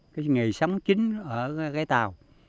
cái nghề sắm chính ở cái tàu